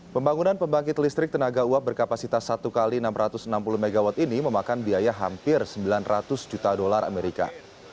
pembangunan pembangkit listrik tenaga uap berkapasitas satu x enam ratus enam puluh mw ini memakan biaya hampir sembilan ratus juta dolar amerika